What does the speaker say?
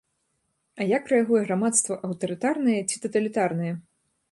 А як рэагуе грамадства аўтарытарнае ці таталітарнае?